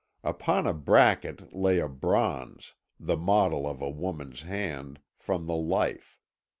Upon a bracket lay a bronze, the model of a woman's hand, from the life.